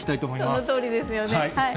そのとおりですよね。